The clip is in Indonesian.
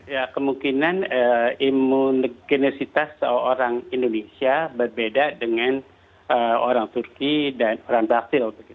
ya kemungkinan imunogenisitas orang indonesia berbeda dengan orang turki dan orang brazil